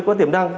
có tiềm năng